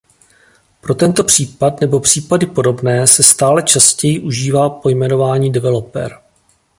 Pro tento případ nebo případy podobné se stále častěji užívá pojmenování developer.